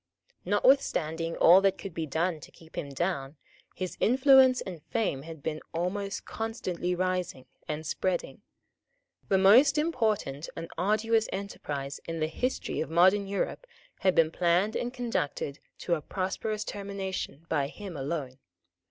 Notwithstanding all that could be done to keep him down, his influence and fame had been almost constantly rising and spreading. The most important and arduous enterprise in the history of modern Europe had been planned and conducted to a prosperous termination by him alone.